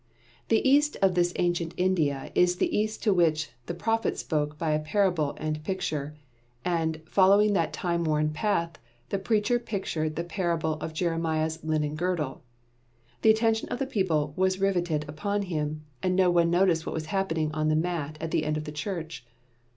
The East of this ancient India is the East to which the prophet spoke by parable and picture; and, following that time worn path, the preacher pictured the parable of Jeremiah's linen girdle: the attention of the people was riveted upon him, and no one noticed what was happening on the mat at the end of the church.